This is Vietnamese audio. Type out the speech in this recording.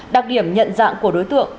đặc điểm nhận dạng của đối tượng